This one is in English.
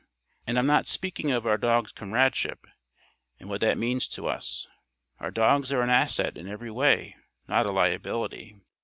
And I'm not speaking of our dogs' comradeship, and what that means to us. Our dogs are an asset in every way not a liability.